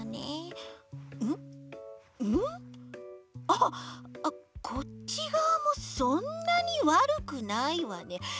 あっこっちがわもそんなにわるくないわね。